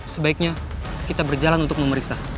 sebaiknya kita berjalan untuk memeriksa